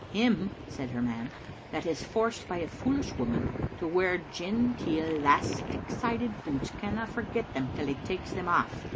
"Him," said her man, "that is forced by a foolish woman to wear genteel 'lastic*sided boots canna forget them till he takes them aff.